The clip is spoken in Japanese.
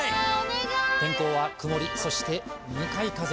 天候は曇りそして向かい風